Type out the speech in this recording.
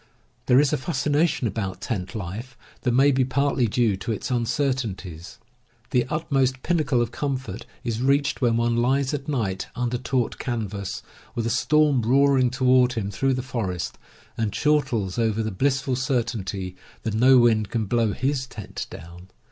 There is a fascination about tent life that may be partly due to its uncertainties. The utmost pinnacle of comfort is reached when one lies at night under taut canvas, with a storm roaring toward him through the forest, and chortles over the blissful cer tainty that no wind can blow his tent down.